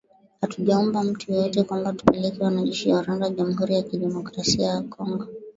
Hatujaomba mtu yeyote kwamba tupeleke wanajeshi wa Rwanda jamhuri ya kidemokrasia ya Kongo